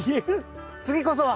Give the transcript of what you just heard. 次こそは！